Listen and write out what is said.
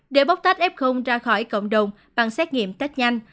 để bóc tách f ra khỏi cộng đồng bằng xét nghiệm test nhanh